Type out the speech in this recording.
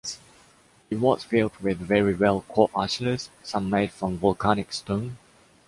It was built with very well cut ashlars, some made from volcanic stone.